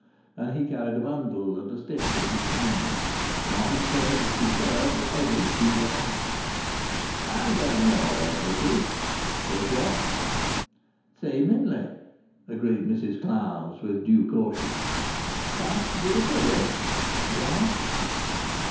And he carried a bundle and a stick in his hands, and on his head a superb but heavy beaver hat. "I'm going your way, missis," said Jock. "Seemingly," agreed Mrs Clowes, with due caution. "Canst gi' us a lift?" he asked.